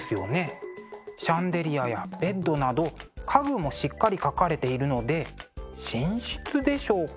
シャンデリアやベッドなど家具もしっかり描かれているので寝室でしょうか。